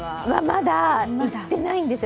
まだ行ってないんですよ。